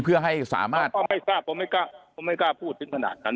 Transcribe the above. เพื่อให้สามารถไม่กล้าพูดถึงขนาดนั้น